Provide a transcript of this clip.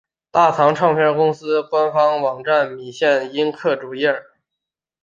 大藏唱片公司官方网站米线音客主页